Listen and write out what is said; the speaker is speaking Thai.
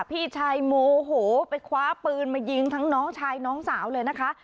พี่ชายโมโหไปคว้าปืนมายิงทั้งน้องชายน้องสาวเลยนะคะ